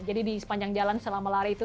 jadi di sepanjang jalan selama lari itu